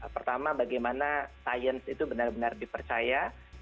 pertama bagaimana sains itu benar benar dipercaya